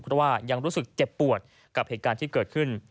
เพราะว่ายังรู้สึกเจ็บปวดกับเหตุการณ์ที่เกิดขึ้น